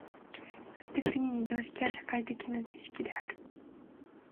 そして次に常識は社会的な知識である。